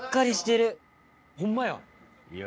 ホンマや。